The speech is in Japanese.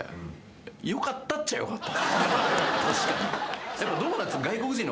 確かに。